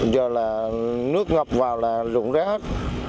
giờ là nước ngập vào là rụng rát